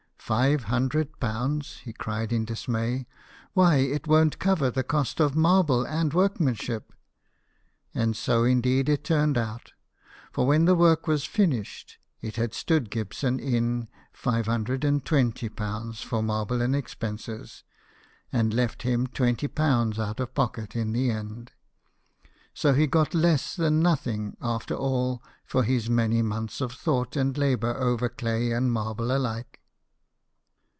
" Five hundred pounds !" he cried in dismay ;" why, it won't cover the cost of marble and workmanship." And so indeed it turned out ; for when the work was finished, it had stood Gibson in ^520 for marble and expenses, and left him twenty pounds out of pocket in the end. So he got less than nothing after all for his many months of thought and labour over clay and marble alike.